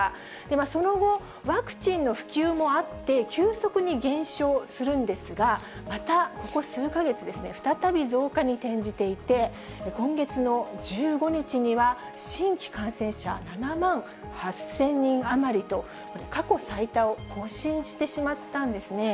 その後、ワクチンの普及もあって、急速に減少するんですが、また、ここ数か月ですね、再び増加に転じていて、今月の１５日には、新規感染者７万８０００人余りと、過去最多を更新してしまったんですね。